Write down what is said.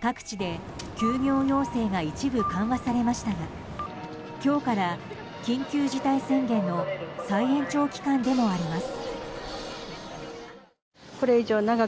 各地で休業要請が一部緩和されましたが今日から緊急事態宣言の再延長期間でもあります。